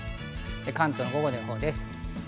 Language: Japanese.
関東の午後の予報です。